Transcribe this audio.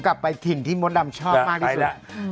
กลับไปถิ่นที่มดดำชอบมากที่สุด